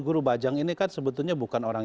guru bajang ini kan sebetulnya bukan orang